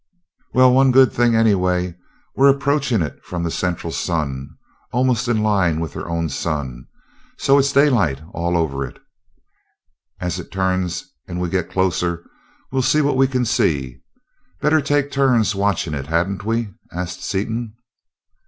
"Well, one good thing, anyway, we're approaching it from the central sun, and almost in line with their own sun, so it's daylight all over it. As it turns and as we get closer, we'll see what we can see. Better take turns watching it, hadn't we?" asked Seaton.